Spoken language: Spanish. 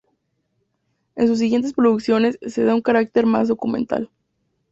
En sus siguientes producciones, se da un carácter más documental.